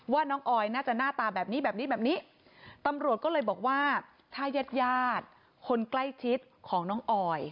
ว่าน้องออยน่าจะหน้าตาแบบนี้แบบนี้แบบนี้ตำรวจก็เลยบอกว่าถ้าญาติญาติคนใกล้ชิดของน้องออย